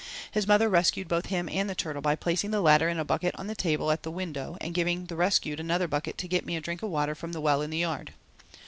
His mother rescued both him and the turtle by placing the latter in a bucket on a table at the window and giving the rescued another bucket to get me a drink of water from the well in the yard.